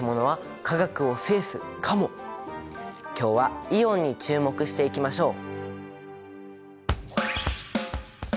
今日はイオンに注目していきましょう！